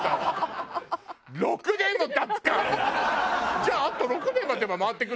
じゃああと６年待てば回ってくるんだ。